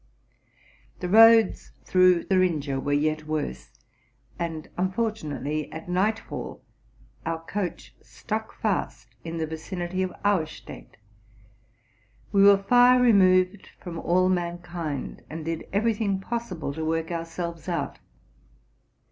The roads through Thuringia were yet worse ; and unfortu nately, at night fall, our coach stuck fast in the vicinity of Auerstadt. We were far removed from all mankind, and did every thing possible to work ourselves out.